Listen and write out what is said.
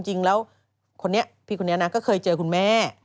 จริงแล้วคนนี้พี่คนนี้นะก็เคยเจอคุณแม่